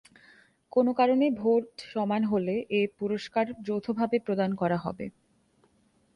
কোন কারণে ভোট সমান হলে এ পুরস্কার যৌথভাবে প্রদান করা হবে।